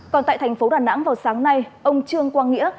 còn tại thành phố đà nẵng vào sáng nay ông trương quang nghĩa